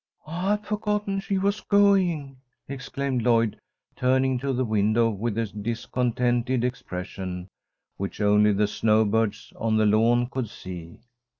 "I had forgotten she was going," exclaimed Lloyd, turning to the window with a discontented expression, which only the snowbirds on the lawn could see.